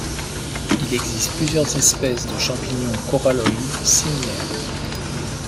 Il existe plusieurs espèces de champignons coralloïdes similaires.